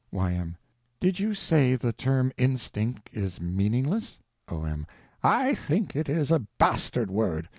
Y.M. Did you stay the term instinct is meaningless? O.M. I think it is a bastard word.